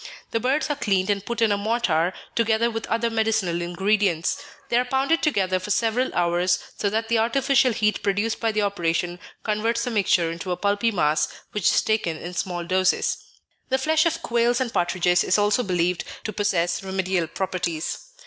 The birds are cleaned, and put in a mortar, together with other medicinal ingredients. They are pounded together for several hours, so that the artificial heat produced by the operation converts the mixture into a pulpy mass, which is taken in small doses. The flesh of quails and partridges is also believed to possess remedial properties.